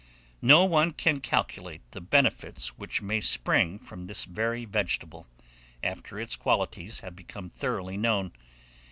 No one can calculate the benefits which may spring from this very vegetable, after its qualities have become thoroughly known.